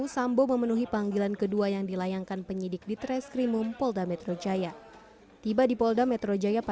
sampai jumpa di video selanjutnya